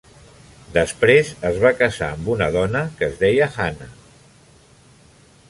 Després es va casar amb una dona que es deia Hanna.